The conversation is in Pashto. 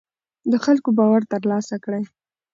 د خلکو باور تر لاسه کړئ